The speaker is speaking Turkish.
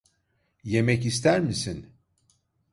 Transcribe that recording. Yemek ister misin?